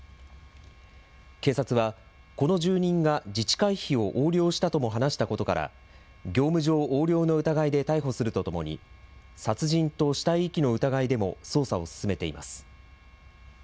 警察は、この住人が自治会費を横領したとも話したことから業務上横領の疑いで逮捕すると共に殺人と死体遺棄の疑いでも捜査を進めています。